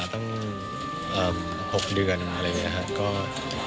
ตั้ง๖เดือนอะไรแบบนี้นะครับ